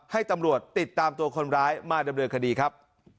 ให้ตำรวจติดตามตัวคนร้ายมาดำเนินคดีครับ